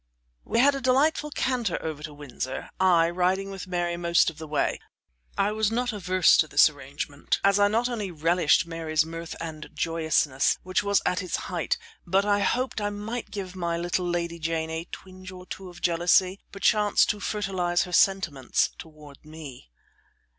We had a delightful canter over to Windsor, I riding with Mary most of the way. I was not averse to this arrangement, as I not only relished Mary's mirth and joyousness, which was at its height, but hoped I might give my little Lady Jane a twinge or two of jealousy perchance to fertilize her sentiments toward me.